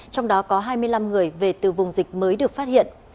trong đó có hai mươi năm người về từ vùng dịch mới được phát hiện